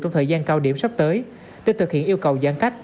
trong thời gian cao điểm sắp tới để thực hiện yêu cầu giãn cách